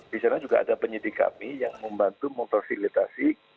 di sana juga ada penyidik kami yang membantu memfasilitasi